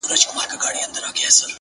دا څنګه چل دی د ژړا او د خندا لوري ـ